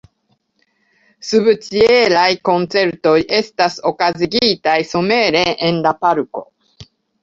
Subĉielaj koncertoj estas okazigitaj somere en la parko.